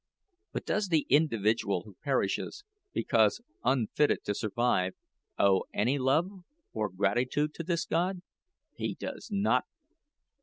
But does the individual who perishes, because unfitted to survive, owe any love, or gratitude to this God? He does not!